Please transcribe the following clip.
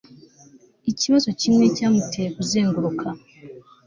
ikibazo kimwe cyamuteye kuzenguruka